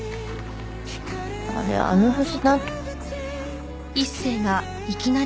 あれあの星。